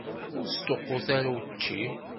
Ur sṭuqqut ara učči.